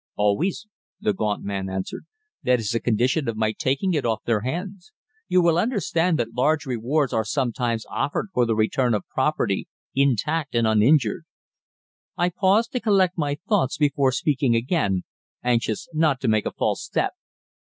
"Always," the gaunt man answered. "That is a condition of my taking it off their hands. You will understand that large rewards are sometimes offered for the return of property intact and uninjured." I paused to collect my thoughts before speaking again, anxious not to make a false step.